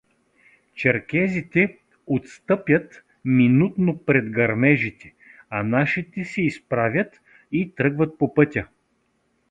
Черкезите отстъпят минутно пред гърмежите, а нашите се изправят и тръгват по пътя.